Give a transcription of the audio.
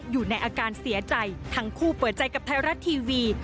อยู่ในอาการเสียใจทั้งคู่เปิดใจกับไทยรัฐทีวี